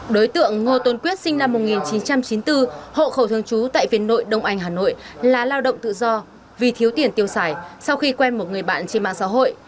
đối tượng ngô tôn quyết sinh năm một nghìn chín trăm chín mươi bốn hộ khẩu thương chú tại viên nội đông anh hà nội là lao động tự do vì thiếu tiền tiêu xài sau khi quen một người bạn trên mạng xã hội